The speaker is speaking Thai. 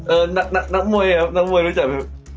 เออนักนักนักมวยครับนักมวยรู้จักไหมครับ